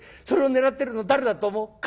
それを狙ってるの誰だと思う？